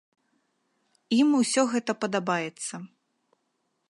Ім усё гэта падабаецца.